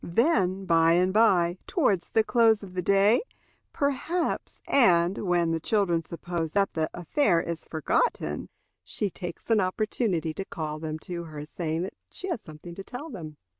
Then, by and by, towards the close of the day, perhaps, and when the children suppose that the affair is forgotten, she takes an opportunity to call them to her, saying that she has something to tell them.